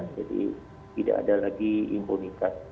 jadi tidak ada lagi impunikat